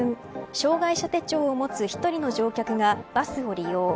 障害者手帳を持つ１人の乗客がバスを利用。